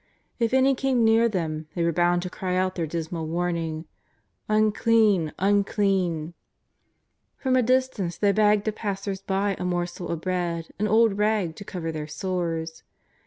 If any came near them, they were bound to cry out their dismal warning 180 JESUS OP l^AZAEETH. —" Unclean ! Unclean !" From a distance they begged of passers by a morsel of bread, an old rag to cover their sores.